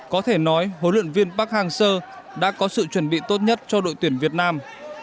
có thể nói huấn luyện viên park hang seo đã có sự chuẩn bị tốt nhất cho đội tuyển việt nam